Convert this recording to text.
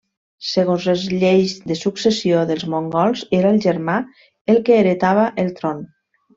Segons les lleis de successió dels mongols era el germà el que heretava el tron.